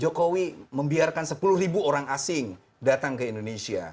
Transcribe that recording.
jokowi membiarkan sepuluh ribu orang asing datang ke indonesia